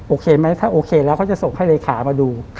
โอเคไหมถ้าโอเคแล้วเขาจะส่งให้เลขามาดู